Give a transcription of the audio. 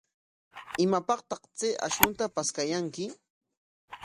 ¿Imapaqtaq chay ashnuta paskaykaayanki?